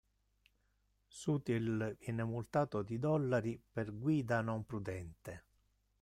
Sutil viene multato di dollari per guida non prudente.